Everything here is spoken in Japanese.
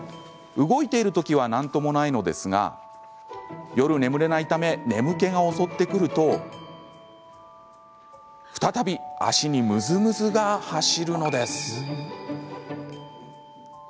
動いているときは何ともないのですが夜、眠れないため眠気が襲ってくると再び脚にムズムズが走るのです。